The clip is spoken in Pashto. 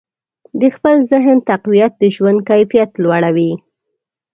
د خپل ذهن تقویت د ژوند کیفیت لوړوي.